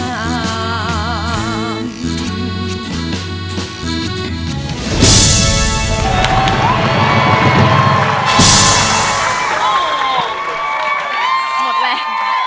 หมดแล้ว